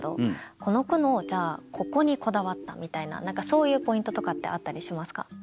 この句のここにこだわったみたいな何かそういうポイントとかってあったりしますか？